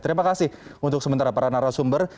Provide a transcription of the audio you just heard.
terima kasih untuk sementara para narasumber